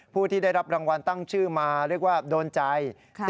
ผู้ที่ได้รับรางวัลตั้งชื่อมาเรียกว่าโดนใจ